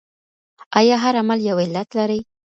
آيا هر عمل يو علت لري؟